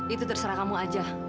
itu terserah kamu aja